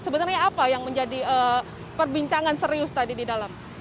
sebenarnya apa yang menjadi perbincangan serius tadi di dalam